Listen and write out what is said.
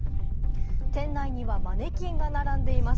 店内にはマネキンが並んでいます。